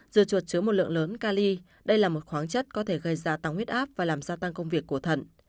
dưa chuột chứa một lượng lớn cali đây là một khoáng chất có thể gây ra tăng huyết áp và làm gia tăng công việc của thận